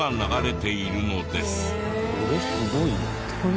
これすごいな。